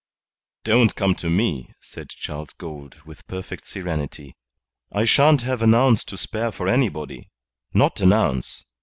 "Don't come to me," said Charles Gould, with perfect serenity. "I shan't have an ounce to spare for anybody. Not an ounce.